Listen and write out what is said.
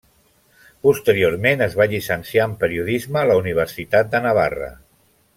Posteriorment es va llicenciar en periodisme a la Universitat de Navarra.